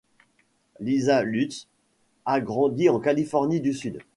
Lisa Lutz a grandi en Californie du Sud.